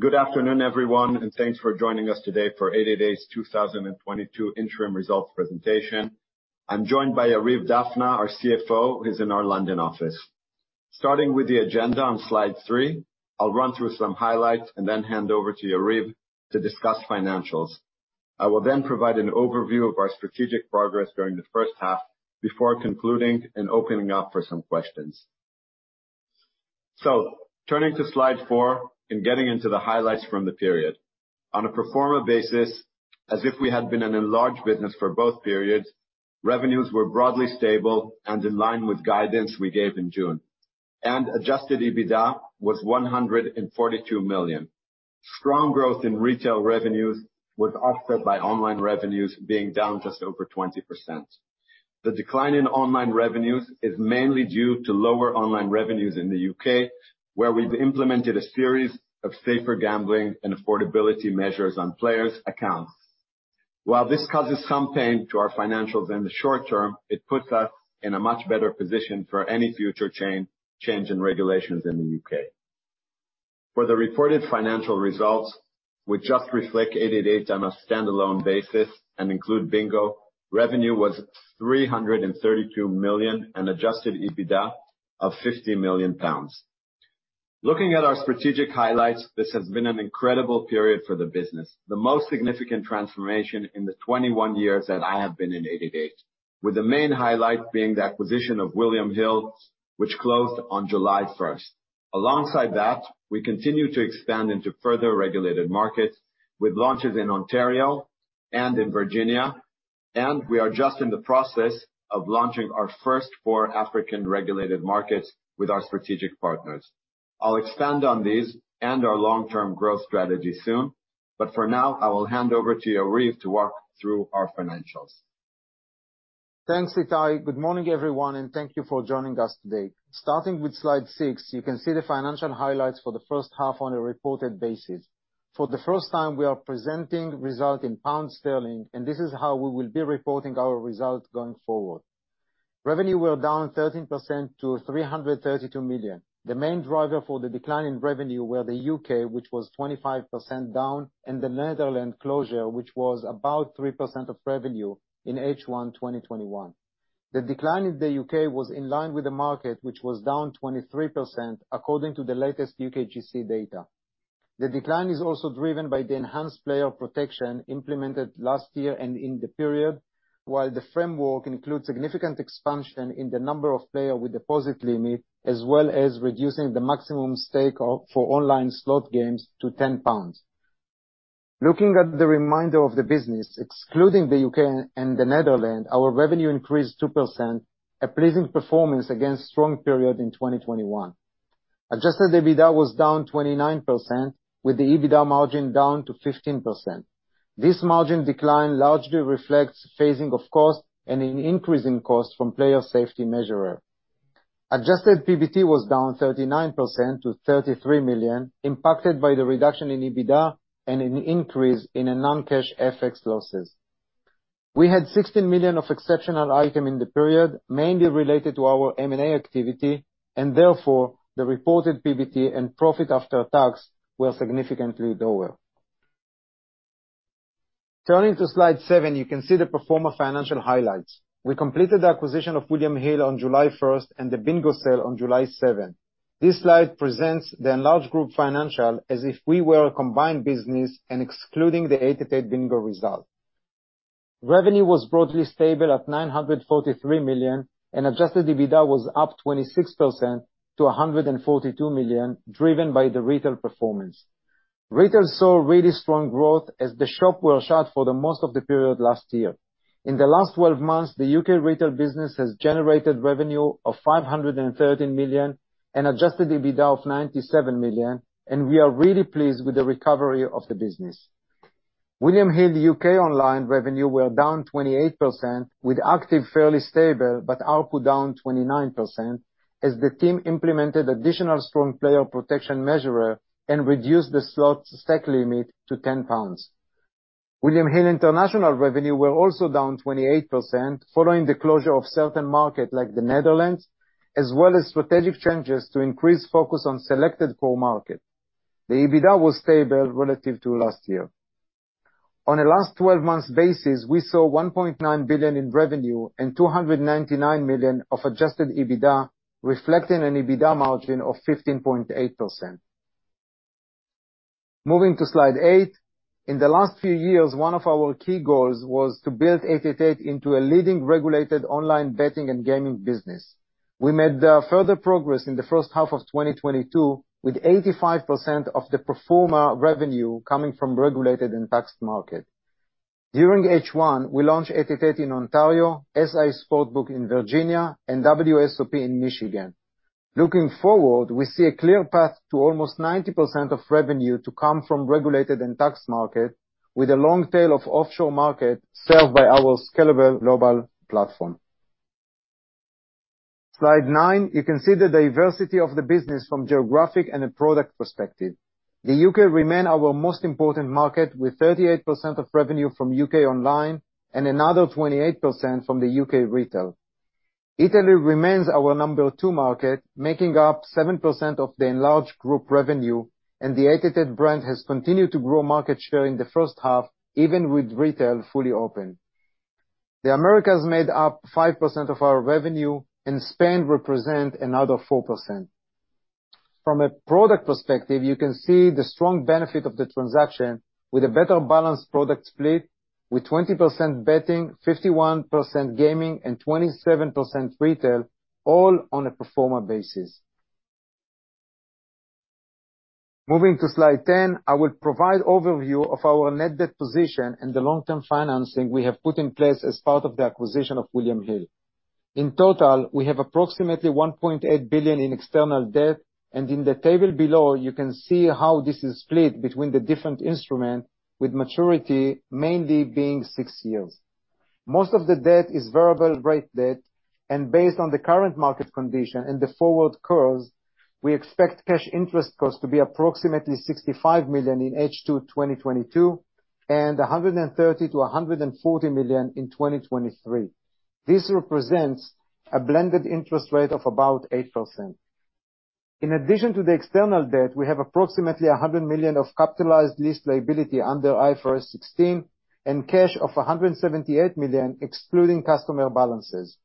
Good afternoon, everyone, and thanks for joining us today for 888's 2022 interim results presentation. I'm joined by Yariv Dafna, our CFO, who's in our London office. Starting with the agenda on slide three, I'll run through some highlights and then hand over to Yariv to discuss financials. I will then provide an overview of our strategic progress during the first half before concluding and opening up for some questions. Turning to slide four and getting into the highlights from the period. On a pro forma basis, as if we had been an enlarged business for both periods, revenues were broadly stable and in line with guidance we gave in June. Adjusted EBITDA was 142 million. Strong growth in retail revenues was offset by online revenues being down just over 20%. The decline in online revenues is mainly due to lower online revenues in the U.K., where we've implemented a series of safer gambling and affordability measures on players' accounts. While this causes some pain to our financials in the short term, it puts us in a much better position for any future change in regulations in the U.K. For the reported financial results, which just reflect 888 on a standalone basis and include Bingo, revenue was 332 million and adjusted EBITDA of 50 million pounds. Looking at our strategic highlights, this has been an incredible period for the business. The most significant transformation in the 21 years that I have been in 888, with the main highlight being the acquisition of William Hill, which closed on July first. Alongside that, we continue to expand into further regulated markets with launches in Ontario and in Virginia, and we are just in the process of launching our first 4 African regulated markets with our strategic partners. I'll expand on these and our long-term growth strategy soon, but for now, I will hand over to Yariv to walk through our financials. Thanks, Itai. Good morning, everyone, and thank you for joining us today. Starting with slide 6, you can see the financial highlights for the first half on a reported basis. For the first time, we are presenting results in pound sterling, and this is how we will be reporting our results going forward. Revenue were down 13% to 332 million. The main driver for the decline in revenue were the U.K., which was 25% down, and the Netherlands closure, which was about 3% of revenue in H1 2021. The decline in the U.K. was in line with the market, which was down 23% according to the latest UKGC data. The decline is also driven by the enhanced player protection implemented last year and in the period, while the framework includes significant expansion in the number of players with deposit limits, as well as reducing the maximum stake for online slot games to 10 pounds. Looking at the remainder of the business, excluding the U.K. and the Netherlands, our revenue increased 2%, a pleasing performance against strong period in 2021. Adjusted EBITDA was down 29% with the EBITDA margin down to 15%. This margin decline largely reflects phasing of costs and an increase in costs from player safety measures. Adjusted PBT was down 39% to 33 million, impacted by the reduction in EBITDA and an increase in a non-cash FX losses. We had 16 million of exceptional item in the period, mainly related to our M&A activity, and therefore the reported PBT and profit after tax were significantly lower. Turning to slide seven, you can see the pro forma financial highlights. We completed the acquisition of William Hill on July first and the Bingo sale on July seventh. This slide presents the enlarged group financials as if we were a combined business and excluding the 888 Bingo result. Revenue was broadly stable at 943 million, and adjusted EBITDA was up 26% to 142 million, driven by the retail performance. Retail saw really strong growth as the shops were shut for most of the period last year. In the last 12 months, the U.K. retail business has generated revenue of 513 million and adjusted EBITDA of 97 million, and we are really pleased with the recovery of the business. William Hill U.K. online revenue were down 28% with active fairly stable, but output down 29% as the team implemented additional strong player protection measure and reduced the slots stake limit to 10 pounds. William Hill International revenue were also down 28% following the closure of certain markets like the Netherlands, as well as strategic changes to increase focus on selected core market. The EBITDA was stable relative to last year. On a last 12 months basis, we saw 1.9 billion in revenue and 299 million of adjusted EBITDA, reflecting an EBITDA margin of 15.8%. Moving to slide eight. In the last few years, one of our key goals was to build 888 into a leading regulated online betting and gaming business. We made further progress in the first half of 2022 with 85% of the pro forma revenue coming from regulated and taxed markets. During H1, we launched 888 in Ontario, SI Sportsbook in Virginia, and WSOP in Michigan. Looking forward, we see a clear path to almost 90% of revenue to come from regulated and taxed markets with a long tail of offshore markets served by our scalable global platform. Slide nine, you can see the diversity of the business from a geographic and product perspective. The U.K. remain our most important market with 38% of revenue from U.K. online and another 28% from the U.K. retail. Italy remains our number two market, making up 7% of the enlarged group revenue, and the 888 brand has continued to grow market share in the first half, even with retail fully open. The Americas made up 5% of our revenue, and Spain represent another 4%. From a product perspective, you can see the strong benefit of the transaction with a better balanced product split with 20% betting, 51% gaming, and 27% retail, all on a pro forma basis. Moving to slide 10, I will provide overview of our net debt position and the long-term financing we have put in place as part of the acquisition of William Hill. In total, we have approximately 1.8 billion in external debt, and in the table below, you can see how this is split between the different instruments with maturity mainly being six years. Most of the debt is variable rate debt, and based on the current market conditions and the forward curves, we expect cash interest costs to be approximately 65 million in H2 2022, and 130-140 million in 2023. This represents a blended interest rate of about 8%. In addition to the external debt, we have approximately 100 million of capitalized lease liability under IFRS 16 and cash of 178 million, excluding customer balances.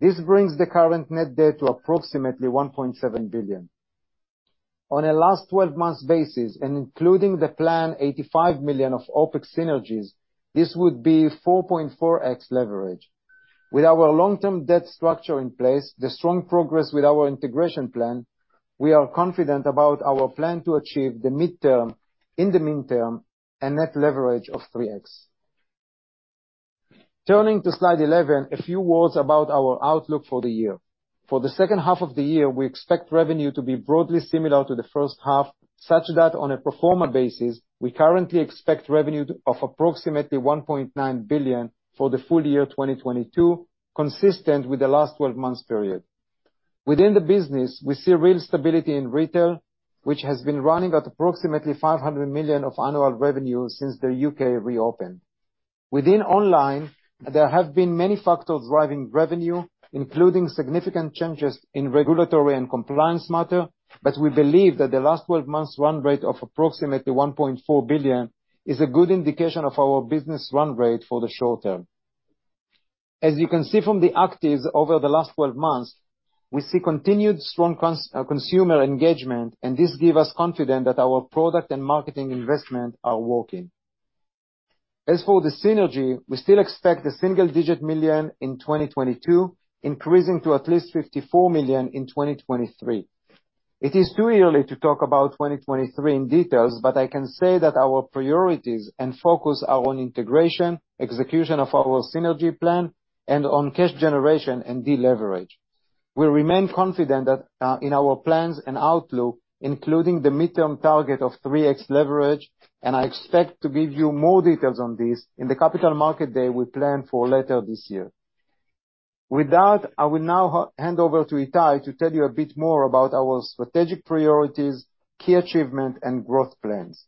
This brings the current net debt to approximately 1.7 billion. On a last 12 months basis and including the planned 85 million of OpEx synergies, this would be 4.4x leverage. With our long-term debt structure in place, the strong progress with our integration plan, we are confident about our plan to achieve the mid-term, in the meantime, a net leverage of 3x. Turning to slide 11, a few words about our outlook for the year. For the second half of the year, we expect revenue to be broadly similar to the first half, such that on a pro forma basis, we currently expect revenue of approximately 1.9 billion for the full year 2022, consistent with the last twelve months period. Within the business, we see real stability in retail, which has been running at approximately 500 million of annual revenue since the U.K. reopened. Within online, there have been many factors driving revenue, including significant changes in regulatory and compliance matters, but we believe that the last twelve months run rate of approximately 1.4 billion is a good indication of our business run rate for the short term. As you can see from the actives over the last twelve months, we see continued strong consumer engagement, and this gives us confidence that our product and marketing investments are working. As for the synergies, we still expect single-digit millions in 2022, increasing to at least 54 million in 2023. It is too early to talk about 2023 in detail, but I can say that our priorities and focus are on integration, execution of our synergy plan, and on cash generation and deleveraging. We remain confident that in our plans and outlook, including the mid-term target of 3x leverage, and I expect to give you more details on this in the Capital Markets Day we plan for later this year. With that, I will now hand over to Itai to tell you a bit more about our strategic priorities, key achievement, and growth plans.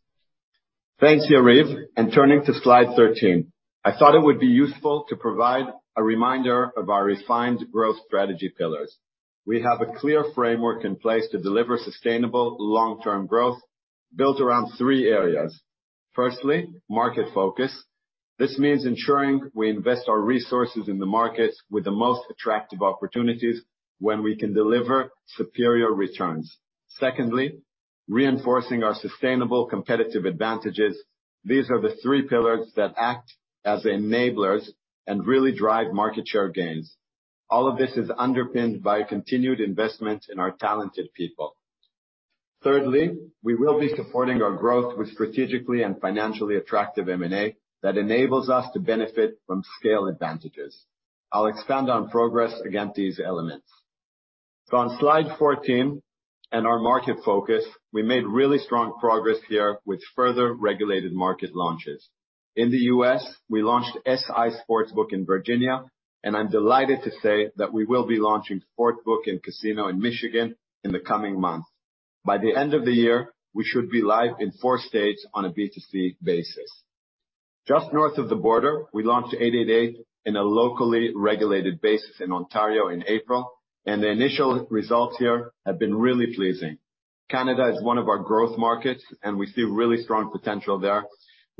Thanks, Yariv. Turning to slide 13. I thought it would be useful to provide a reminder of our refined growth strategy pillars. We have a clear framework in place to deliver sustainable long-term growth built around three areas. Firstly, market focus. This means ensuring we invest our resources in the markets with the most attractive opportunities when we can deliver superior returns. Secondly, reinforcing our sustainable competitive advantages. These are the three pillars that act as enablers and really drive market share gains. All of this is underpinned by continued investment in our talented people. Thirdly, we will be supporting our growth with strategically and financially attractive M&A that enables us to benefit from scale advantages. I'll expand on progress against these elements. On slide 14 and our market focus, we made really strong progress here with further regulated market launches. In the U.S., we launched SI Sportsbook in Virginia, and I'm delighted to say that we will be launching Sportsbook and Casino in Michigan in the coming months. By the end of the year, we should be live in four states on a B2C basis. Just north of the border, we launched 888 in a locally regulated basis in Ontario in April, and the initial results here have been really pleasing. Canada is one of our growth markets, and we see really strong potential there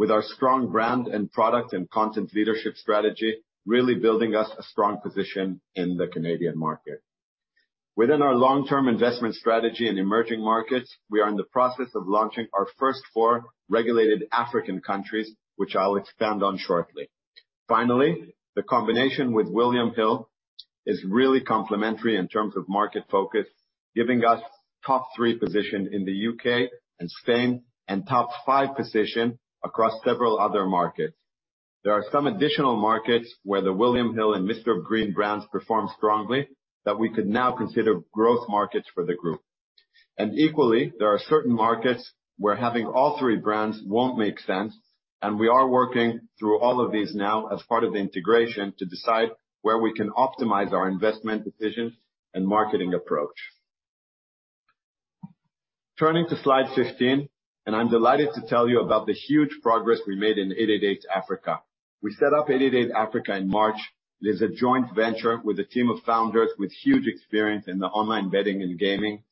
with our strong brand and product and content leadership strategy, really building us a strong position in the Canadian market. Within our long-term investment strategy in emerging markets, we are in the process of launching our first four regulated African countries, which I'll expand on shortly. Finally, the combination with William Hill is really complementary in terms of market focus, giving us top three position in the U.K. and Spain, and top five position across several other markets. There are some additional markets where the William Hill and Mr. Green brands perform strongly that we could now consider growth markets for the group. Equally, there are certain markets where having all three brands won't make sense, and we are working through all of these now as part of the integration to decide where we can optimize our investment decisions and marketing approach. Turning to slide 15. I'm delighted to tell you about the huge progress we made in 888Africa. We set 888Africa in March. It is a joint venture with a team of founders with huge experience in the online betting and gaming,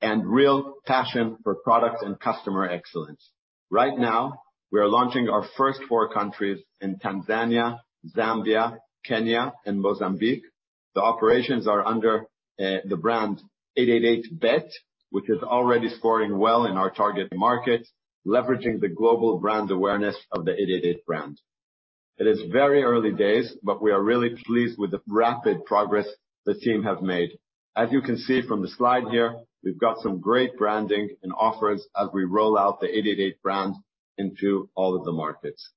and real passion for product and customer excellence. Right now, we are launching our first four countries in Tanzania, Zambia, Kenya, and Mozambique. The operations are under the brand 888bet, which is already scoring well in our target markets, leveraging the global brand awareness of the 888 brand. It is very early days, but we are really pleased with the rapid progress the team have made. As you can see from the slide here, we've got some great branding and offers as we roll out the 888 brand into all of the markets.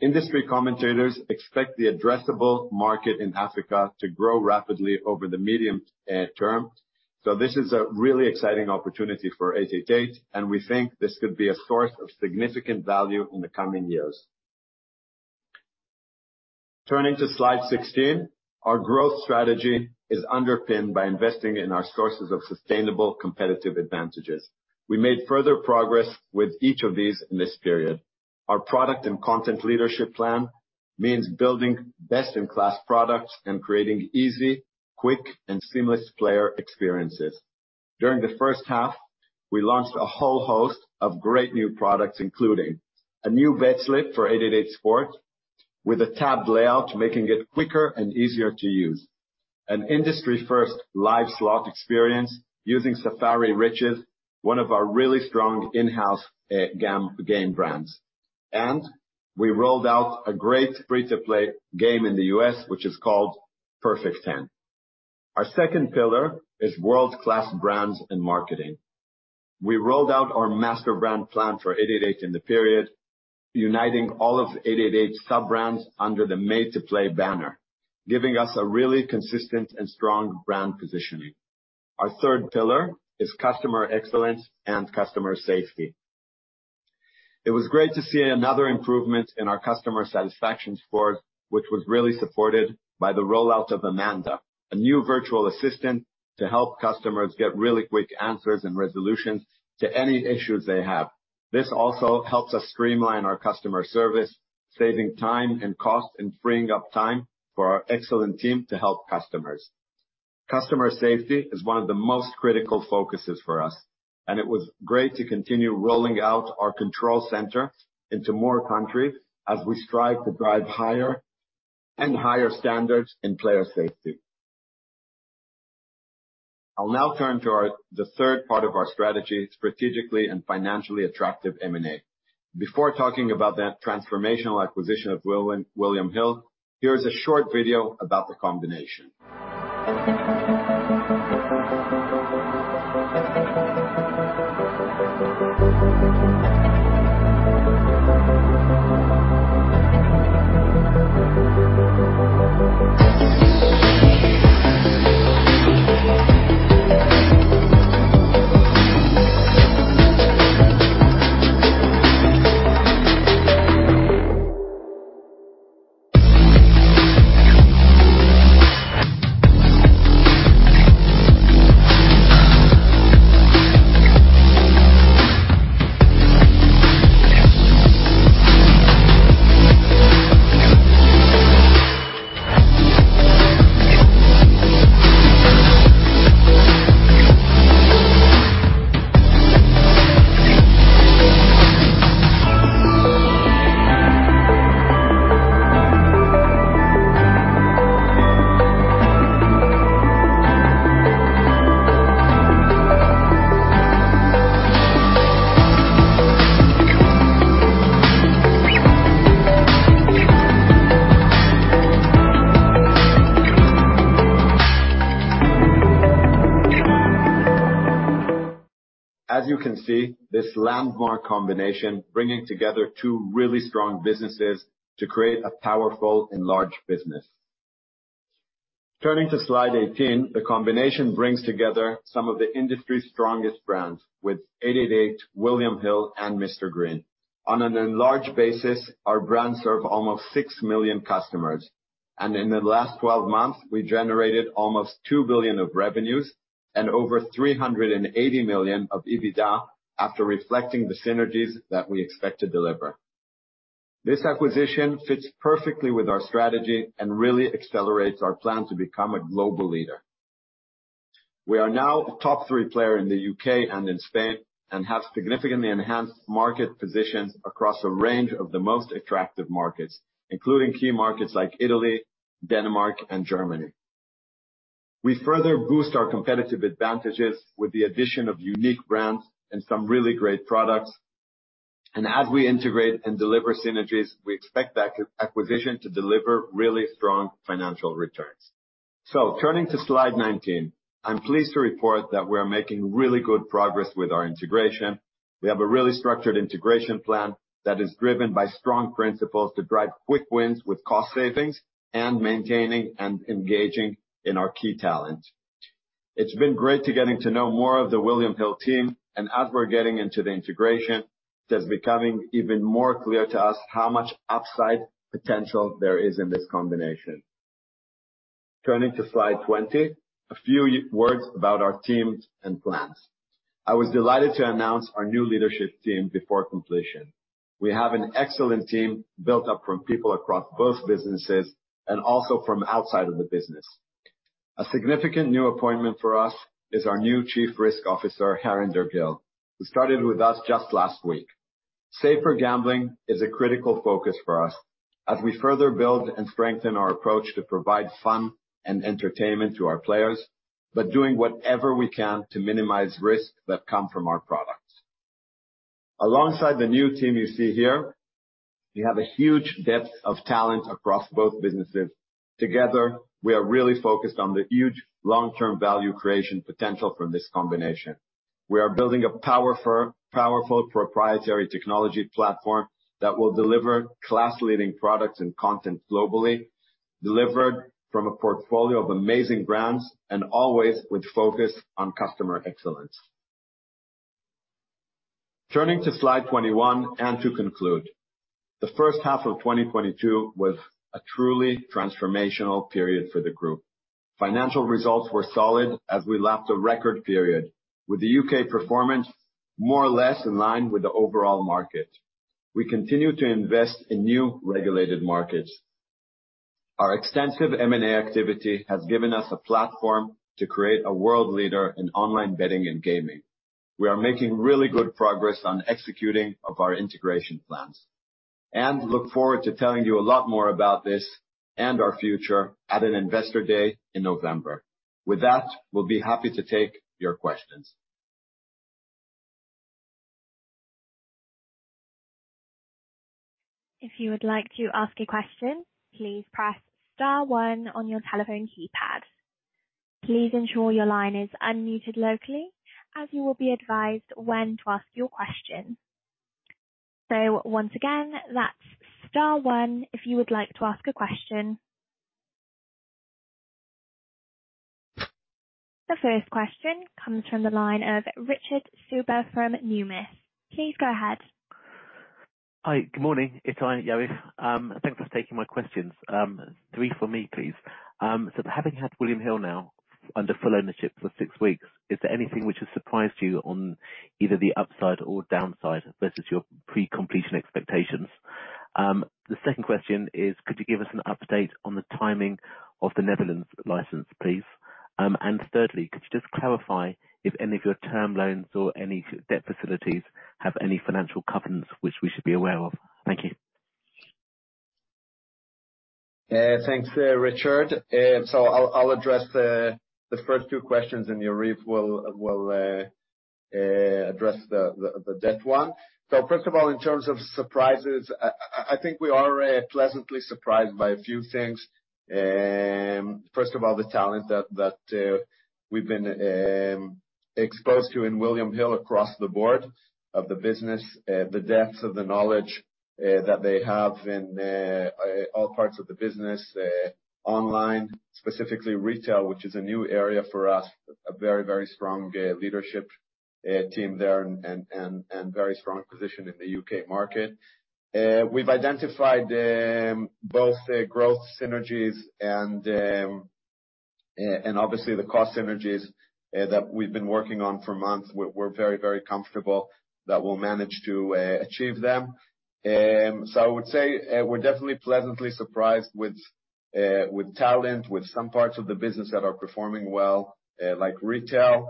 Industry commentators expect the addressable market in Africa to grow rapidly over the medium-term. This is a really exciting opportunity for 888, and we think this could be a source of significant value in the coming years. Turning to slide 16. Our growth strategy is underpinned by investing in our sources of sustainable competitive advantages. We made further progress with each of these in this period. Our product and content leadership plan means building best in class products and creating easy, quick and seamless player experiences. During the first half, we launched a whole host of great new products, including a new bet slip for 888sport with a tabbed layout, making it quicker and easier to use. An industry first live slot experience using Safari Riches, one of our really strong in-house game brands. We rolled out a great free-to-play game in the U.S., which is called Perfect 10. Our second pillar is world-class brands and marketing. We rolled out our master brand plan for 888 in the period, uniting all of 888 sub-brands under the Made to Play banner, giving us a really consistent and strong brand positioning. Our third pillar is customer excellence and customer safety. It was great to see another improvement in our customer satisfaction scores, which was really supported by the rollout of Amanda, a new virtual assistant to help customers get really quick answers and resolutions to any issues they have. This also helps us streamline our customer service, saving time and cost, and freeing up time for our excellent team to help customers. Customer safety is one of the most critical focuses for us, and it was great to continue rolling out our Control Centre into more countries as we strive to drive higher and higher standards in player safety. I'll now turn to the third part of our strategy, strategically and financially attractive M&A. Before talking about the transformational acquisition of William Hill, here is a short video about the combination. As you can see, this landmark combination bringing together two really strong businesses to create a powerful and large business. Turning to slide 18. The combination brings together some of the industry's strongest brands, with 888, William Hill and Mr. Green. On an enlarged basis, our brands serve almost 6 million customers, and in the last 12 months we generated almost 2 billion of revenues and over 380 million of EBITDA, after reflecting the synergies that we expect to deliver. This acquisition fits perfectly with our strategy and really accelerates our plan to become a global leader. We are now a top three player in the U.K. and in Spain, and have significantly enhanced market positions across a range of the most attractive markets, including key markets like Italy, Denmark and Germany. We further boost our competitive advantages with the addition of unique brands and some really great products. As we integrate and deliver synergies, we expect the acquisition to deliver really strong financial returns. Turning to slide 19. I'm pleased to report that we are making really good progress with our integration. We have a really structured integration plan that is driven by strong principles to drive quick wins with cost savings and maintaining and engaging in our key talent. It's been great getting to know more of the William Hill team, and as we're getting into the integration, it is becoming even more clear to us how much upside potential there is in this combination. Turning to slide 20, a few words about our teams and plans. I was delighted to announce our new leadership team before completion. We have an excellent team built up from people across both businesses and also from outside of the business. A significant new appointment for us is our new Chief Risk Officer, Harinder Gill, who started with us just last week. Safer gambling is a critical focus for us as we further build and strengthen our approach to provide fun and entertainment to our players, but doing whatever we can to minimize risks that come from our products. Alongside the new team you see here, we have a huge depth of talent across both businesses. Together, we are really focused on the huge long-term value creation potential from this combination. We are building a powerful proprietary technology platform that will deliver class-leading products and content globally, delivered from a portfolio of amazing brands and always with focus on customer excellence. Turning to slide 21, and to conclude. The first half of 2022 was a truly transformational period for the group. Financial results were solid as we left a record period, with the U.K. performance more or less in line with the overall market. We continue to invest in new regulated markets. Our extensive M&A activity has given us a platform to create a world leader in online betting and gaming. We are making really good progress on execution of our integration plans, and look forward to telling you a lot more about this and our future at an investor day in November. With that, we'll be happy to take your questions. If you would like to ask a question, please press star one on your telephone keypad. Please ensure your line is unmuted locally as you will be advised when to ask your question. Once again, that's star one if you would like to ask a question. The first question comes from the line of Richard Stuber from Numis. Please go ahead. Hi. Good morning. Itai, Yariv. Thanks for taking my questions. Three for me, please. Having had William Hill now under full ownership for six weeks, is there anything which has surprised you on either the upside or downside versus your pre-completion expectations? The second question is, could you give us an update on the timing of the Netherlands license, please? Thirdly, could you just clarify if any of your term loans or any debt facilities have any financial covenants which we should be aware of? Thank you. Thanks, Richard. I'll address the first two questions, and Yariv will address the debt one. First of all, in terms of surprises, I think we are pleasantly surprised by a few things. First of all, the talent that we've been exposed to in William Hill across the board of the business, the depths of the knowledge that they have in all parts of the business, online, specifically retail, which is a new area for us. A very, very strong leadership team there and very strong position in the U.K. market. We've identified both the growth synergies and obviously the cost synergies that we've been working on for months. We're very, very comfortable that we'll manage to achieve them. I would say we're definitely pleasantly surprised with talent, with some parts of the business that are performing well, like retail.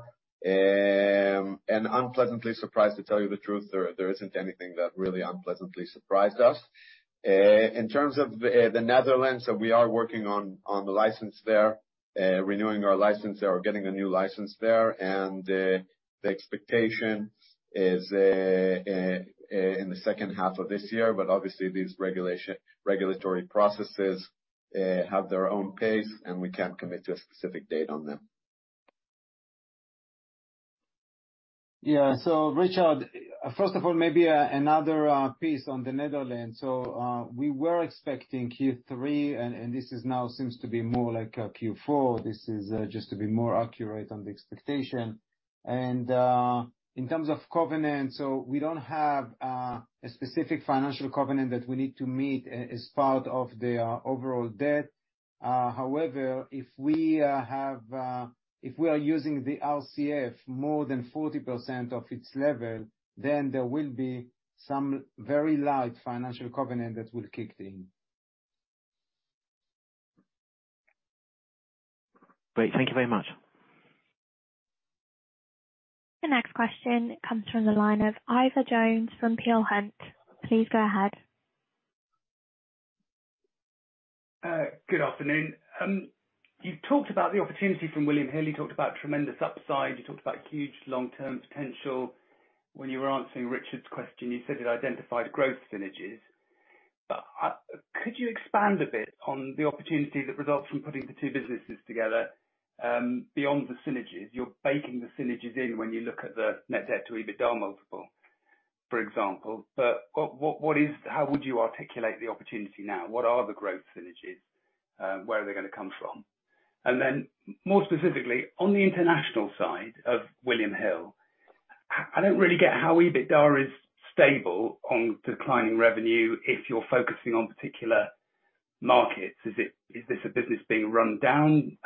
Unpleasantly surprised, to tell you the truth, there isn't anything that really unpleasantly surprised us. In terms of the Netherlands, that we are working on the license there, renewing our license there or getting a new license there, and the expectation is in the second half of this year, but obviously these regulatory processes have their own pace, and we can't commit to a specific date on them. Richard, first of all, maybe another piece on the Netherlands. We were expecting Q3, and this now seems to be more like a Q4. This is just to be more accurate on the expectation. In terms of covenants, we don't have a specific financial covenant that we need to meet as part of the overall debt. However, if we are using the RCF more than 40% of its level, then there will be some very light financial covenant that will kick in. Great. Thank you very much. The next question comes from the line of Ivor Jones from Peel Hunt. Please go ahead. Good afternoon. You've talked about the opportunity from William Hill. You talked about tremendous upside. You talked about huge long-term potential. When you were answering Richard's question, you said you identified growth synergies. Could you expand a bit on the opportunity that results from putting the two businesses together, beyond the synergies? You're baking the synergies in when you look at the net debt to EBITDA multiple, for example. How would you articulate the opportunity now? What are the growth synergies? Where are they gonna come from? Then more specifically, on the international side of William Hill, I don't really get how EBITDA is stable on declining revenue if you're focusing on particular markets. Is this a business being run down?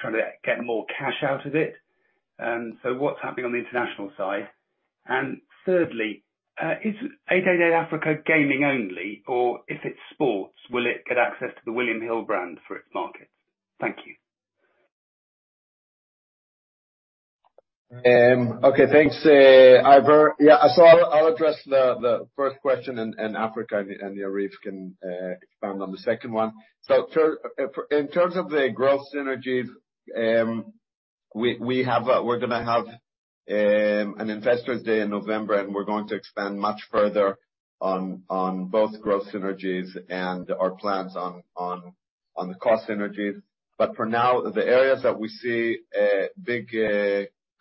Trying to get more cash out of it? What's happening on the international side? Thirdly, is 888Africa gaming only, or if it's sports, will it get access to the William Hill brand for its markets? Thank you. Thanks, Ivor. I'll address the first question in Africa, and Yariv can expand on the second one. In terms of the growth synergies, we're gonna have an investors' day in November, and we're going to expand much further on both growth synergies and our plans on the cost synergies. For now, the areas that we see a big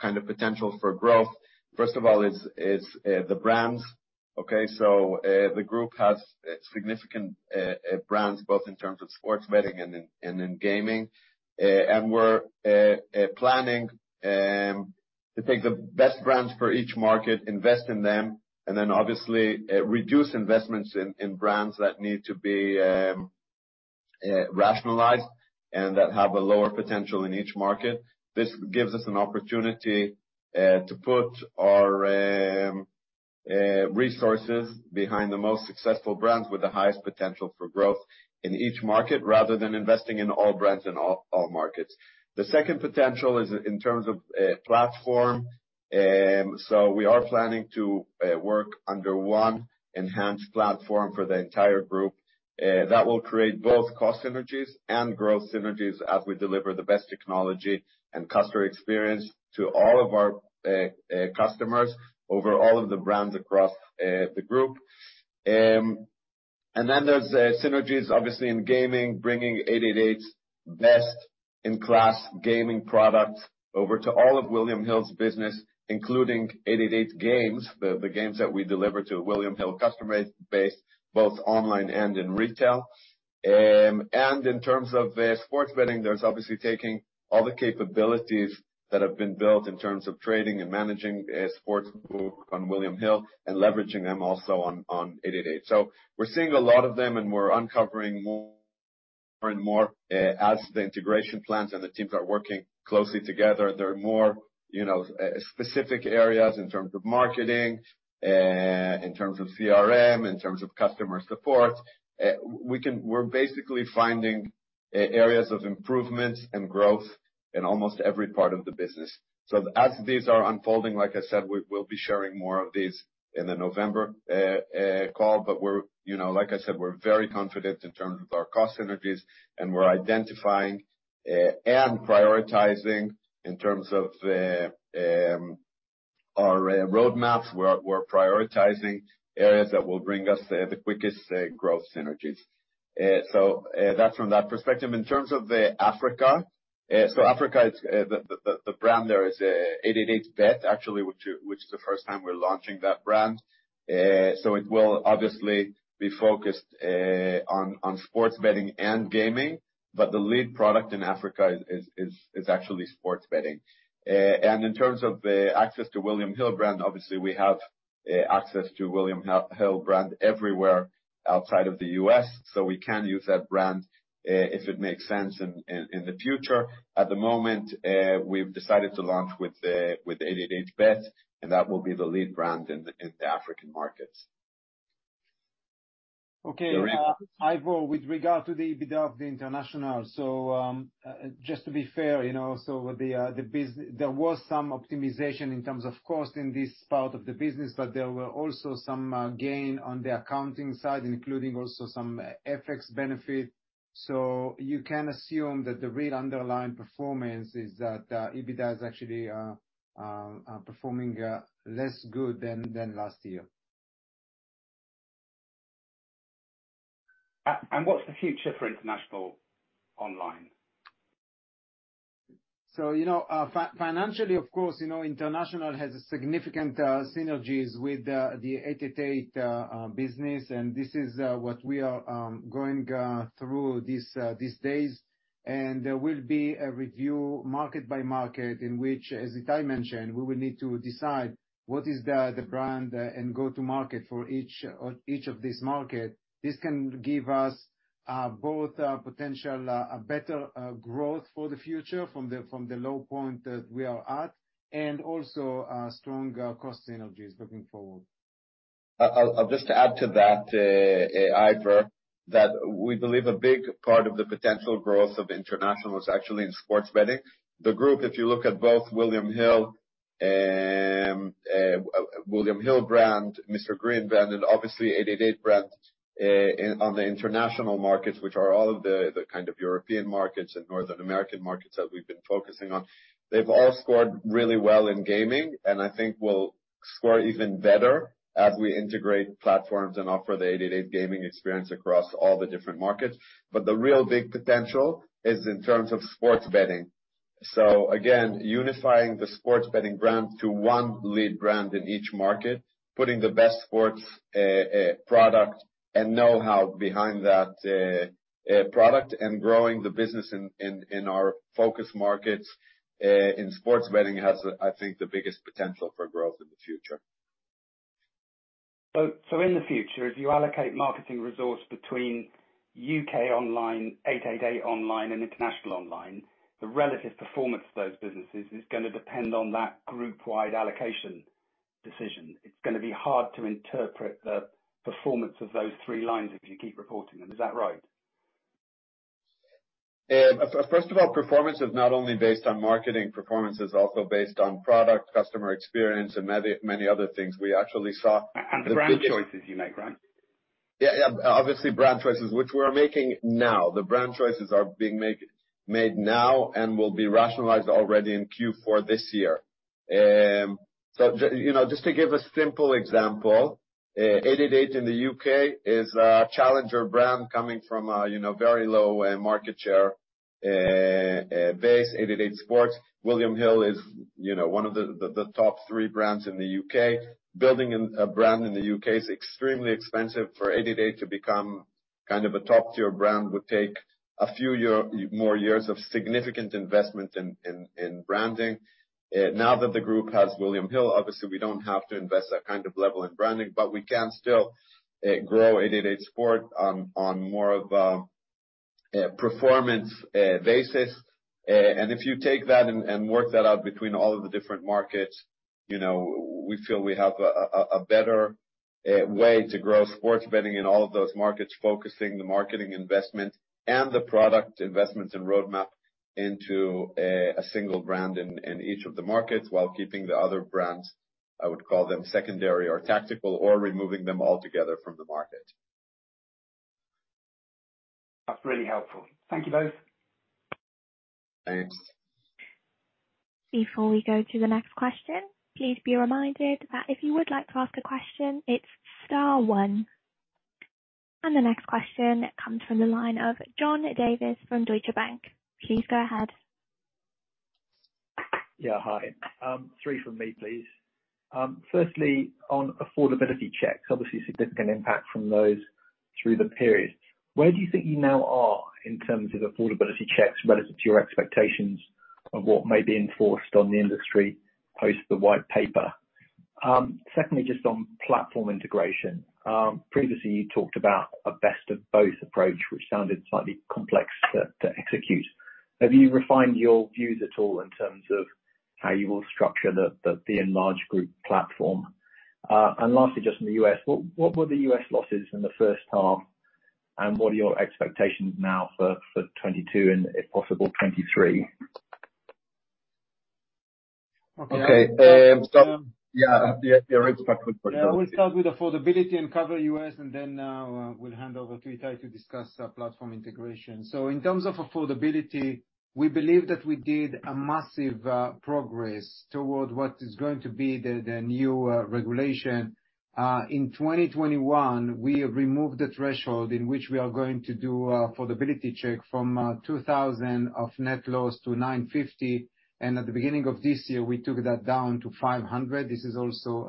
kind of potential for growth, first of all is the brands. The group has significant brands both in terms of sports betting and in gaming. We're planning to take the best brands for each market, invest in them, and then obviously reduce investments in brands that need to be rationalized and that have a lower potential in each market. This gives us an opportunity to put our resources behind the most successful brands with the highest potential for growth in each market rather than investing in all brands in all markets. The second potential is in terms of platform. We are planning to work under one enhanced platform for the entire group. That will create both cost synergies and growth synergies as we deliver the best technology and customer experience to all of our customers over all of the brands across the group. There's the synergies, obviously, in gaming, bringing 888's best-in-class gaming products over to all of William Hill's business, including 888 Games, the games that we deliver to William Hill's customer base, both online and in retail. In terms of sports betting, there's obviously taking all the capabilities that have been built in terms of trading and managing a sports book on William Hill and leveraging them also on 888. We're seeing a lot of them, and we're uncovering more and more as the integration plans and the teams are working closely together. There are more, you know, specific areas in terms of marketing, in terms of CRM, in terms of customer support. We're basically finding areas of improvement and growth in almost every part of the business. As these are unfolding, like I said, we will be sharing more of these in the November call. We're very confident in terms of our cost synergies, and we're identifying and prioritizing in terms of our roadmaps. We're prioritizing areas that will bring us the quickest growth synergies. That's from that perspective. In terms of Africa, the brand there is 888bet, actually, which is the first time we're launching that brand. It will obviously be focused on sports betting and gaming. The lead product in Africa is actually sports betting. In terms of access to William Hill brand, obviously, we have access to William Hill brand everywhere outside of the U.S., so we can use that brand if it makes sense in the future. At the moment, we've decided to launch with 888bet, and that will be the lead brand in the African markets. Okay. Yariv. Ivor, with regard to the EBITDA of the international, so, just to be fair, you know, there was some optimization in terms of cost in this part of the business, but there were also some gain on the accounting side, including also some FX benefit. You can assume that the real underlying performance is that EBITDA is actually performing less good than last year. What's the future for international online? You know, financially, of course, you know, international has significant synergies with the 888 business, and this is what we are going through these days. There will be a review, market by market, in which, as Itai mentioned, we will need to decide what is the brand and go-to-market for each of this market. This can give us both a potential better growth for the future from the low point that we are at, and also strong cost synergies looking forward. I'll just add to that, Ivor, that we believe a big part of the potential growth of international is actually in sports betting. The group, if you look at both William Hill brand, Mr. Green brand, and obviously 888 brand, on the international markets, which are all of the kind of European markets and North American markets that we've been focusing on, they've all scored really well in gaming, and I think will score even better as we integrate platforms and offer the 888 gaming experience across all the different markets. The real big potential is in terms of sports betting. Again, unifying the sports betting brands to one lead brand in each market, putting the best sports product and know-how behind that product, and growing the business in our focus markets in sports betting has, I think, the biggest potential for growth in the future. in the future, as you allocate marketing resource between U.K. online, 888 online, and international online, the relative performance of those businesses is gonna depend on that group wide allocation decision. It's gonna be hard to interpret the performance of those three lines if you keep reporting them. Is that right? First of all, performance is not only based on marketing, performance is also based on product, customer experience, and many, many other things. We actually saw. The brand choices you make, right? Yeah. Obviously, brand choices, which we are making now. The brand choices are being made now and will be rationalized already in Q4 this year. You know, just to give a simple example, 888 in the U.K. is a challenger brand coming from a you know, very low market share base, 888sport. William Hill is you know, one of the top three brands in the U.K. Building a brand in the U.K. is extremely expensive. For 888 to become kind of a top-tier brand would take a few more years of significant investment in branding. Now that the group has William Hill, obviously we don't have to invest that kind of level in branding, but we can still grow 888sport on more of a performance basis. If you take that and work that out between all of the different markets, you know, we feel we have a better way to grow sports betting in all of those markets, focusing the marketing investment and the product investments and roadmap into a single brand in each of the markets while keeping the other brands, I would call them secondary or tactical, or removing them altogether from the market. That's really helpful. Thank you both. Thanks. Before we go to the next question, please be reminded that if you would like to ask a question, it's star one. The next question comes from the line of Joe Sheridan from Deutsche Bank. Please go ahead. Yeah. Hi. Three from me, please. Firstly, on affordability checks, obviously significant impact from those through the period. Where do you think you now are in terms of affordability checks relative to your expectations of what may be enforced on the industry post the white paper? Secondly, just on platform integration, previously you talked about a best of both approach, which sounded slightly complex to execute. Have you refined your views at all in terms of how you will structure the enlarged group platform? Lastly, just in the U.S., what were the US losses in the first half, and what are your expectations now for 2022 and, if possible, 2023? Okay. We'll start with affordability and cover U.S., and then we'll hand over to Itai to discuss our platform integration. In terms of affordability, we believe that we did a massive progress toward what is going to be the new regulation. In 2021, we removed the threshold in which we are going to do an affordability check from 2,000 of net loss to 950, and at the beginning of this year, we took that down to 500. This is also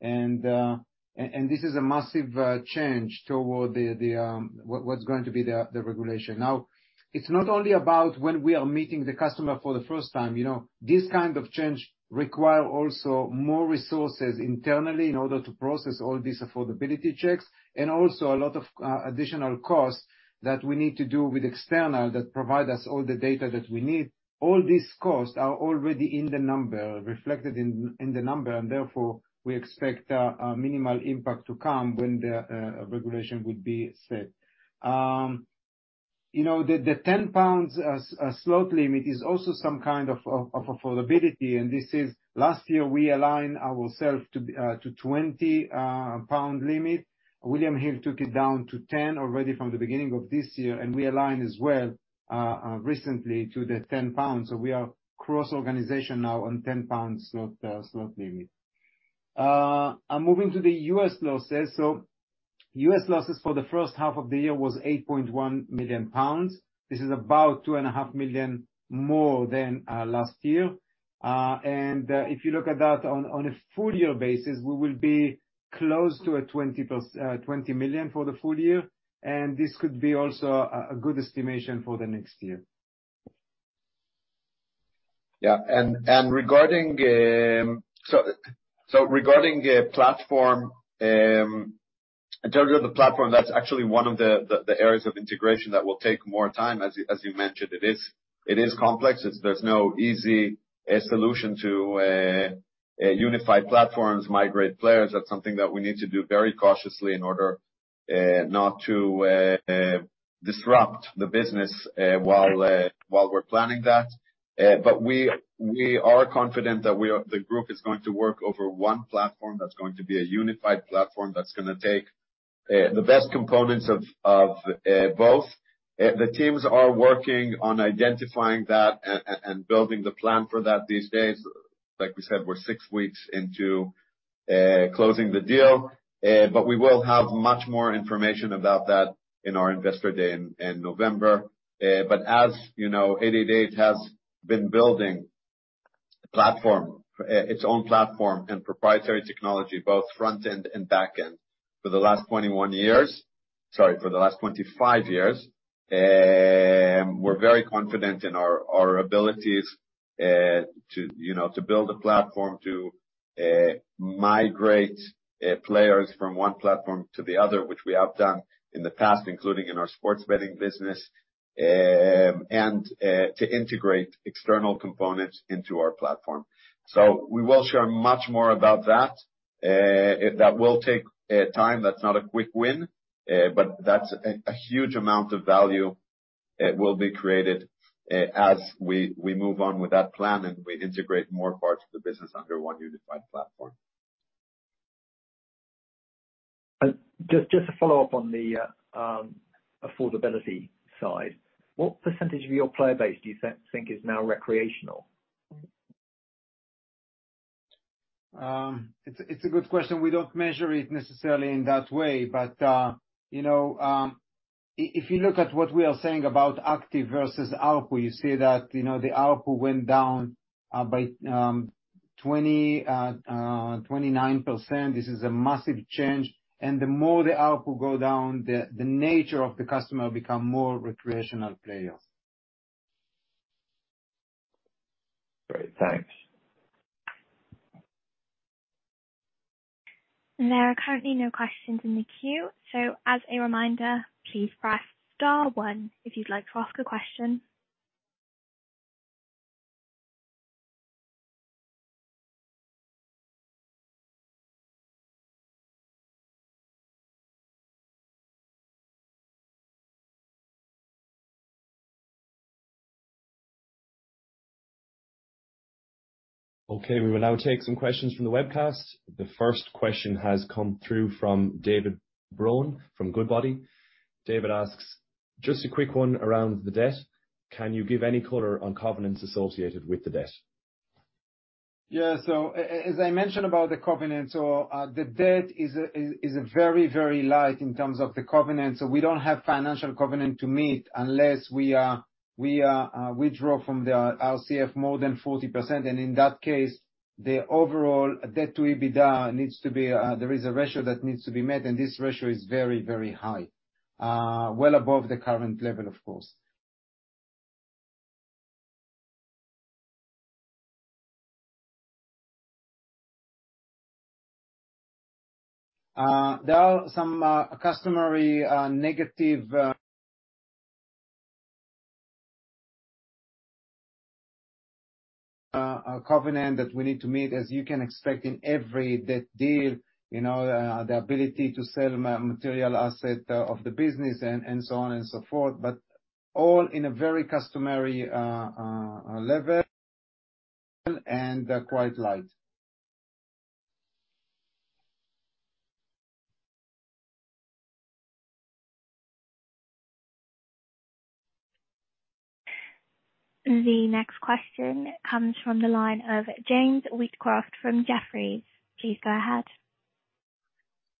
and this is a massive change toward the what's going to be the regulation. Now, it's not only about when we are meeting the customer for the first time, you know. This kind of change require also more resources internally in order to process all these affordability checks, and also a lot of additional costs that we need to do with external that provide us all the data that we need. All these costs are already in the number, reflected in the number, and therefore we expect a minimal impact to come when the regulation would be set. You know, the 10 pounds slot limit is also some kind of affordability. Last year we aligned ourselves to 20 pound limit. William Hill took it down to 10 already from the beginning of this year, and we align as well recently to 10 pounds. We are cross-organization now on 10 pounds slot limit. Moving to the U.S. losses. U.S. losses for the first half of the year was 8.1 million pounds. This is about 2.5 million more than last year. If you look at that on a full year basis, we will be close to 20+ million for the full year, and this could be also a good estimation for the next year. Yeah. Regarding platform in terms of the platform, that's actually one of the areas of integration that will take more time. As you mentioned, it is complex. There's no easy solution to unified platforms, migrate players. That's something that we need to do very cautiously in order not to disrupt the business while we're planning that. But we are confident that the group is going to work over one platform that's going to be a unified platform that's gonna take the best components of both. The teams are working on identifying that and building the plan for that these days. Like we said, we're six weeks into closing the deal, but we will have much more information about that in our investor day in November. As you know, 888 has been building its own platform and proprietary technology, both front-end and back-end for the last 21 years. Sorry, for the last 25 years. We're very confident in our abilities to you know to build a platform to migrate players from one platform to the other, which we have done in the past, including in our sports betting business, and to integrate external components into our platform. We will share much more about that. That will take time. That's not a quick win, but that's a huge amount of value that will be created as we move on with that plan, and we integrate more parts of the business under one unified platform. Just to follow up on the affordability side, what percentage of your player base do you think is now recreational? It's a good question. We don't measure it necessarily in that way, but, you know, if you look at what we are saying about active versus ARPU, you see that, you know, the ARPU went down by 29%. This is a massive change. The more the ARPU go down, the nature of the customer become more recreational players. Great. Thanks. There are currently no questions in the queue. As a reminder, please press star one if you'd like to ask a question. Okay, we will now take some questions from the webcast. The first question has come through from David Brown from Goodbody. David asks, "Just a quick one around the debt. Can you give any color on covenants associated with the debt? As I mentioned about the covenant, the debt is very light in terms of the covenant. We don't have financial covenants to meet unless we withdraw from the RCF more than 40%, and in that case, the overall debt to EBITDA needs to be, there is a ratio that needs to be met, and this ratio is very high, well above the current level, of course. There are some customary negative covenants that we need to meet, as you can expect in every debt deal. You know, the ability to sell material assets of the business and so on and so forth, but all in a very customary level and quite light. The next question comes from the line of James Wheatcroft from Jefferies. Please go ahead.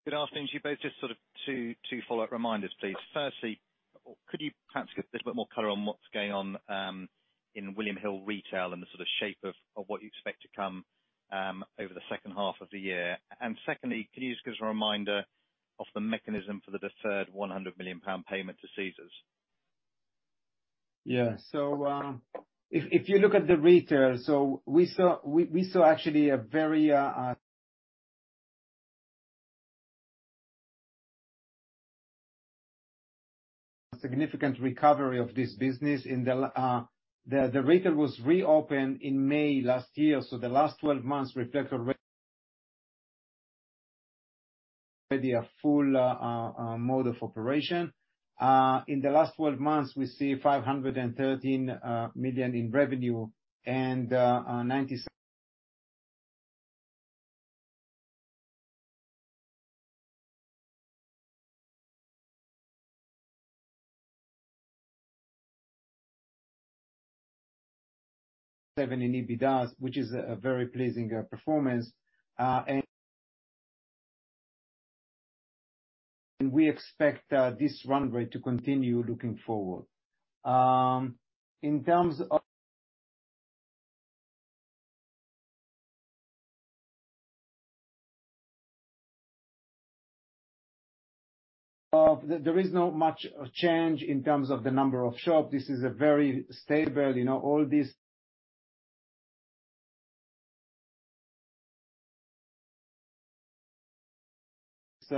Good afternoon to you both. Just sort of two follow-up reminders, please. Firstly, could you perhaps give a little bit more color on what's going on in William Hill Retail and the sort of shape of what you expect to come over the second half of the year? Secondly, can you just give us a reminder of the mechanism for the deferred 100 million pound payment to Caesars? If you look at the retail, we saw actually a very significant recovery of this business. The retail was reopened in May last year. The last twelve months reflect maybe a full mode of operation. In the last 12 months, we see 513 million in revenue and 97 in EBITDA, which is a very pleasing performance. We expect this runway to continue looking forward. In terms of, there is not much change in terms of the number of shops. This is a very stable, you know, all these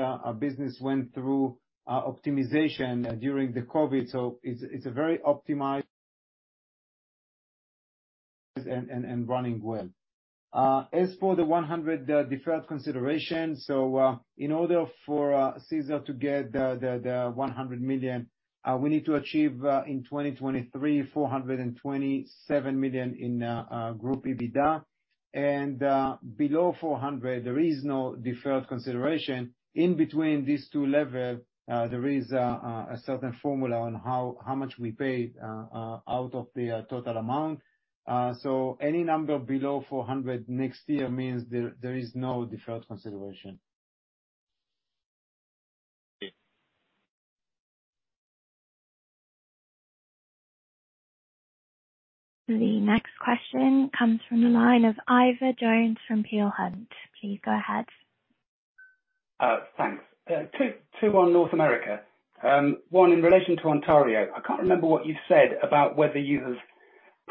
our business went through optimization during the COVID, so it's a very optimized and running well. As for the 100 million deferred consideration, in order for Caesars to get the 100 million, we need to achieve in 2023, 427 million in group EBITDA. Below 400, there is no deferred consideration. In between these two levels, there is a certain formula on how much we pay out of the total amount. Any number below 400 next year means there is no deferred consideration. Great. The next question comes from the line of Ivor Jones from Peel Hunt. Please go ahead. Thanks. Two on North America. One in relation to Ontario. I can't remember what you said about whether you have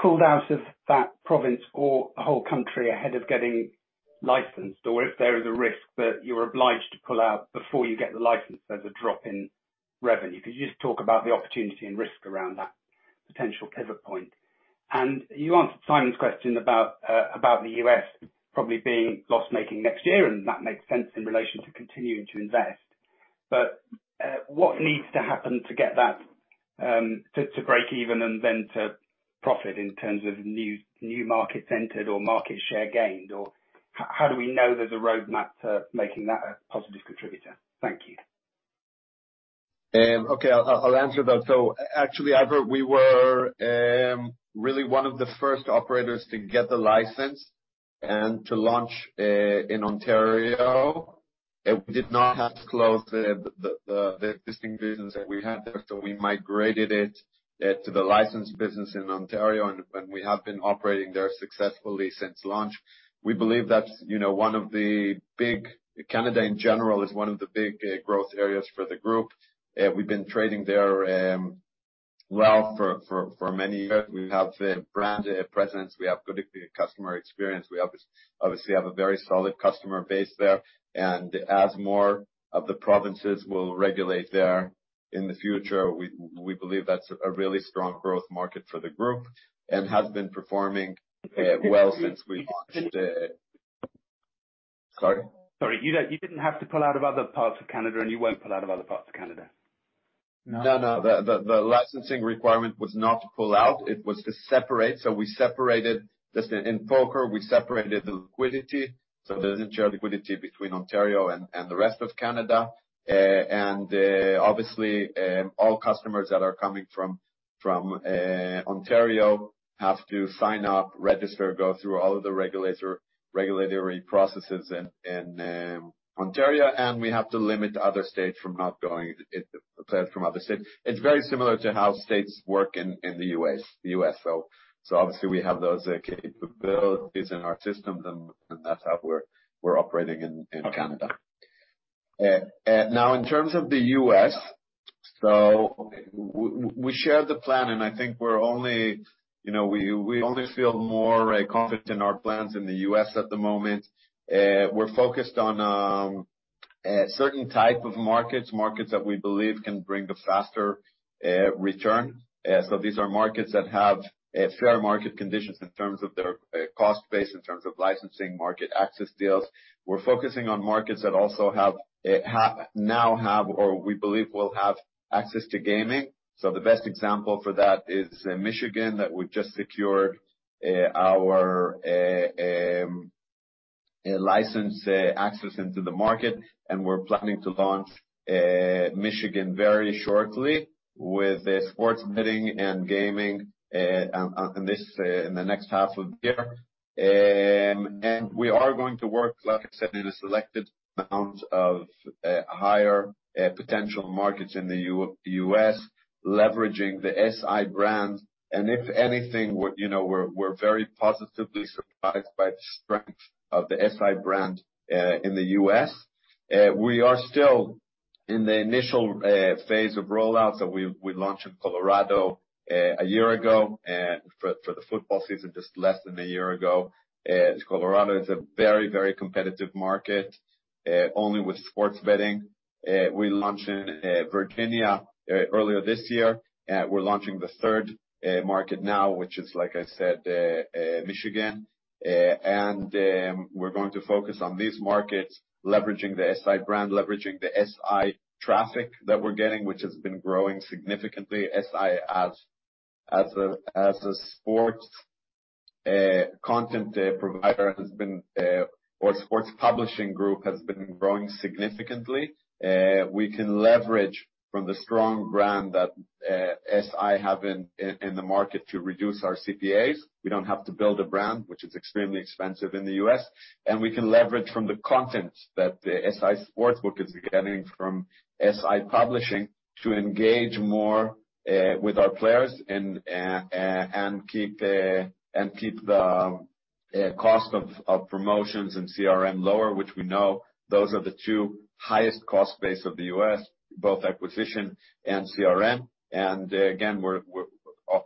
pulled out of that province or the whole country ahead of getting licensed, or if there is a risk that you're obliged to pull out before you get the license. There's a drop in revenue. Could you just talk about the opportunity and risk around that potential pivot point? You answered Simon's question about the U,S. Probably being loss-making next year, and that makes sense in relation to continuing to invest. What needs to happen to get that to break even and then to profit in terms of new markets entered or market share gained? Or how do we know there's a roadmap to making that a positive contributor? Thank you. Okay. I'll answer that. Actually, Ivor, we were really one of the first operators to get the license and to launch in Ontario. We did not have to close the existing business that we had there, so we migrated it to the licensed business in Ontario, and we have been operating there successfully since launch. We believe that's you know one of the big. Canada in general is one of the big growth areas for the group. We've been trading there well for many years. We have a brand presence, we have good customer experience. We obviously have a very solid customer base there. As more of the provinces will regulate there in the future, we believe that's a really strong growth market for the group and has been performing well since we launched. Sorry? Sorry. You didn't have to pull out of other parts of Canada and you won't pull out of other parts of Canada? No. The licensing requirement was not to pull out, it was to separate. We separated the liquidity just in poker, so there isn't shared liquidity between Ontario and the rest of Canada. And obviously, all customers that are coming from Ontario have to sign up, register, go through all of the regulatory processes in Ontario, and we have to limit players from other states. It's very similar to how states work in the U.S. Obviously we have those capabilities in our system and that's how we're operating in Canada. Now in terms of the U.S., we shared the plan, and I think we're only, you know, we only feel more confident in our plans in the U.S. at the moment. We're focused on certain type of markets that we believe can bring a faster return. These are markets that have a fair market conditions in terms of their cost base, in terms of licensing market access deals. We're focusing on markets that also now have or we believe will have access to gaming. The best example for that is Michigan, that we've just secured our license access into the market, and we're planning to launch Michigan very shortly with the sports betting and gaming in the next half of the year. We are going to work, like I said, in a selected amount of higher potential markets in the U.S., leveraging the SI brand. If anything, we're, you know, very positively surprised by the strength of the SI brand in the U.S. We are still in the initial phase of roll-out. We launched in Colorado a year ago for the football season, just less than a year ago. Colorado is a very competitive market only with sports betting. We launched in Virginia earlier this year. We're launching the third market now, which is, like I said, Michigan. We're going to focus on these markets, leveraging the SI brand, leveraging the SI traffic that we're getting, which has been growing significantly. SI as a sports content provider has been or sports publishing group has been growing significantly. We can leverage from the strong brand that SI have in the market to reduce our CPAs. We don't have to build a brand, which is extremely expensive in the U.S. We can leverage from the content that the SI Sportsbook is getting from SI Publishing to engage more with our players and keep the cost of promotions and CRM lower, which we know those are the two highest cost base of the U.S., both acquisition and CRM.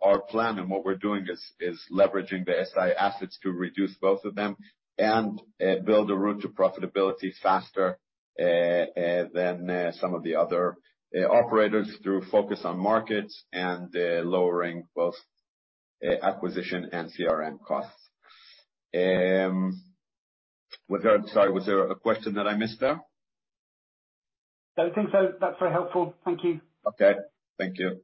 Our plan and what we're doing is leveraging the SI assets to reduce both of them and build a route to profitability faster than some of the other operators through focus on markets and lowering both acquisition and CRM costs. Sorry, was there a question that I missed there? Don't think so. That's very helpful. Thank you. Okay. Thank you.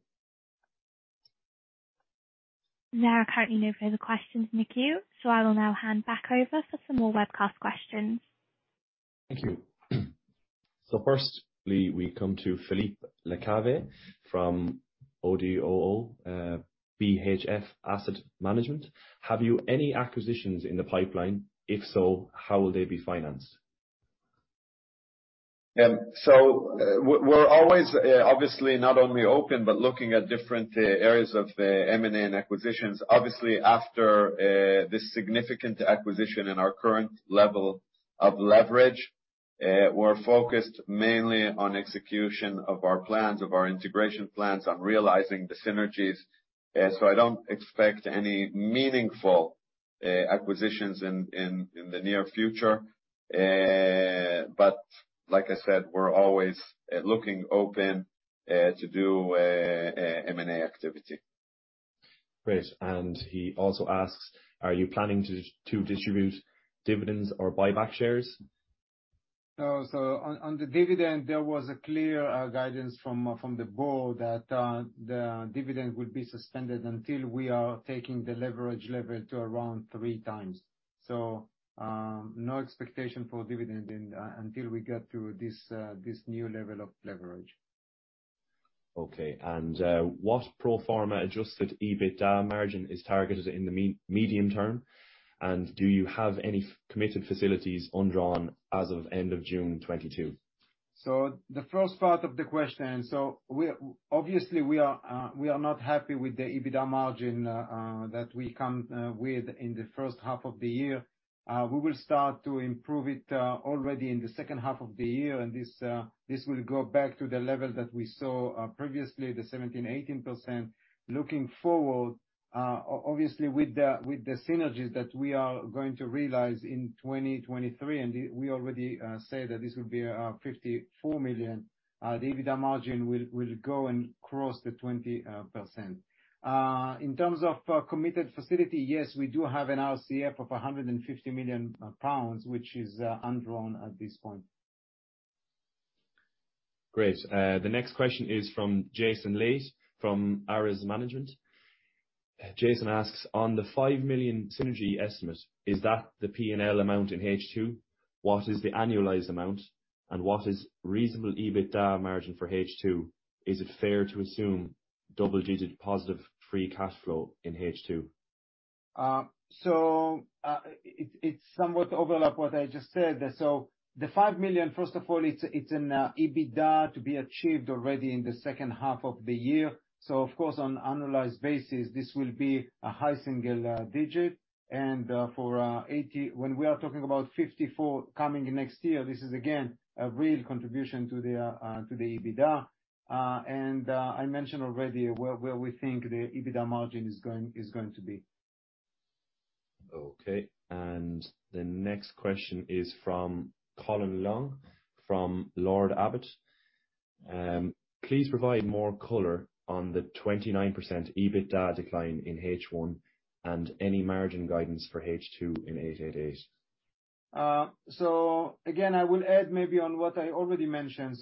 There are currently no further questions in the queue, so I will now hand back over for some more webcast questions. Thank you. Firstly, we come to Philippe Le-Coguiec from ODDO BHF Asset Management. Have you any acquisitions in the pipeline? If so, how will they be financed? We're always, obviously not only open, but looking at different areas of M&A and acquisitions. Obviously, after this significant acquisition and our current level of leverage, we're focused mainly on execution of our plans, of our integration plans, on realizing the synergies. I don't expect any meaningful acquisitions in the near future. Like I said, we're always looking open to do M&A activity. Great. He also asks, are you planning to distribute dividends or buy back shares? On the dividend, there was a clear guidance from the board that the dividend would be suspended until we are taking the leverage level to around 3x. No expectation for dividend until we get to this new level of leverage. Okay. What pro forma adjusted EBITDA margin is targeted in the medium-term, and do you have any committed facilities undrawn as of end of June 2022? The first part of the question, obviously we are not happy with the EBITDA margin that we come with in the first half of the year. We will start to improve it already in the second half of the year. This will go back to the level that we saw previously, the 17%-18%. Looking forward, obviously with the synergies that we are going to realize in 2023, and we already say that this will be 54 million, the EBITDA margin will go and cross the 20%. In terms of committed facility, yes, we do have an RCF of 150 million pounds, which is undrawn at this point. Great. The next question is from Jason Lee from Ares Management. Jason asks, on the 5 million synergy estimate, is that the P&L amount in H2? What is the annualized amount? And what is reasonable EBITDA margin for H2? Is it fair to assume double-digit positive free cash flow in H2? It's somewhat of an overlap with what I just said. The 5 million, first of all, it's an EBITDA to be achieved already in the second half of the year. Of course, on an annualized basis, this will be a high single digit. When we are talking about 54 million coming next year, this is again a real contribution to the EBITDA. I mentioned already where we think the EBITDA margin is going to be. Okay. The next question is from Colin Long, from Lord Abbett. Please provide more color on the 29% EBITDA decline in H1 and any margin guidance for H2 in 888. Again, I will add maybe on what I already mentioned.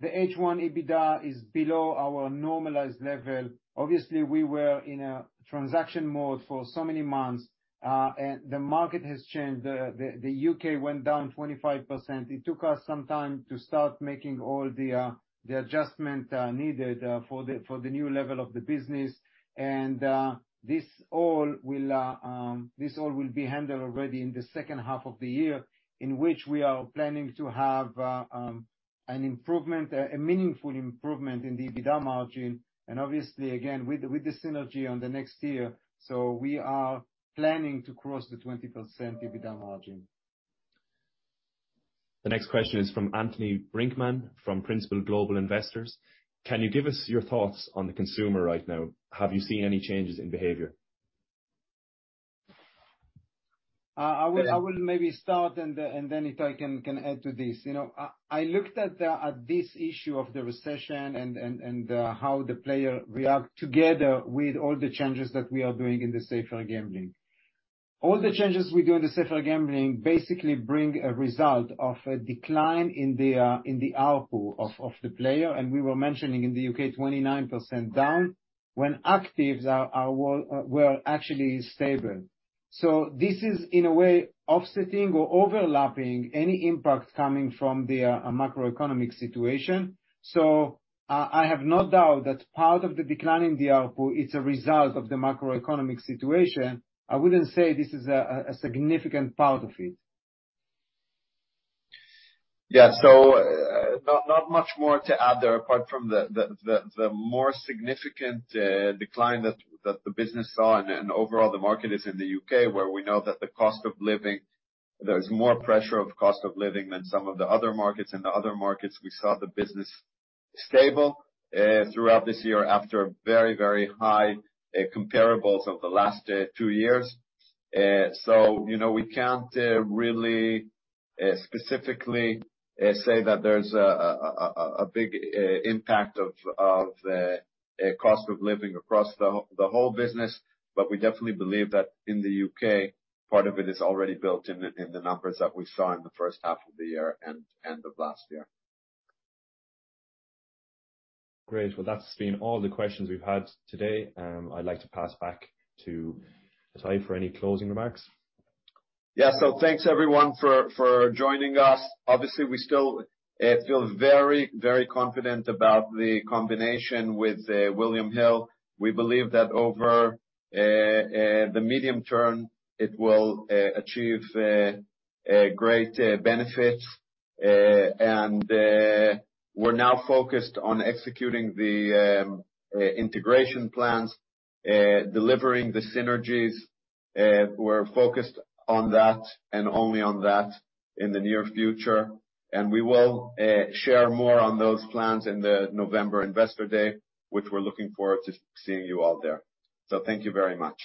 The H1 EBITDA is below our normalized level. Obviously, we were in a transaction mode for so many months, and the market has changed. The U.K. Went down 25%. It took us some time to start making all the adjustment needed for the new level of the business. This all will be handled already in the second half of the year, in which we are planning to have an improvement, a meaningful improvement in the EBITDA margin, and obviously again, with the synergy on the next year. We are planning to cross the 20% EBITDA margin. The next question is from Anthony Brinkman, from Principal Global Investors. Can you give us your thoughts on the consumer right now? Have you seen any changes in behavior? I will maybe start and then Itai can add to this. You know, I looked at this issue of the recession and how the player react together with all the changes that we are doing in the safer gambling. All the changes we do in the safer gambling basically bring a result of a decline in the ARPU of the player. We were mentioning in the U.K., 29% down when actives were actually stable. This is in a way offsetting or overlapping any impact coming from the macroeconomic situation. I have no doubt that part of the decline in the ARPU is a result of the macroeconomic situation. I wouldn't say this is a significant part of it. Yeah. Not much more to add there, apart from the more significant decline that the business saw and overall the market is in the U.K., where we know that the cost of living. There's more pressure from cost of living than some of the other markets. In the other markets, we saw the business stable throughout this year after very high comparables of the last two years. You know, we can't really specifically say that there's a big impact of the cost of living across the whole business. We definitely believe that in the U.K., part of it is already built in the numbers that we saw in the first half of the year and the last year. Great. Well, that's been all the questions we've had today. I'd like to pass back to Itai for any closing remarks. Thanks everyone for joining us. Obviously, we still feel very confident about the combination with William Hill. We believe that over the medium term, it will achieve great benefits. We're now focused on executing the integration plans, delivering the synergies. We're focused on that and only on that in the near future, and we will share more on those plans in the November Investor Day, which we're looking forward to seeing you all there. Thank you very much.